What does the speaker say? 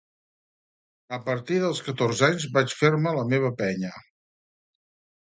A partir dels catorze anys vaig fer-me la meva penya.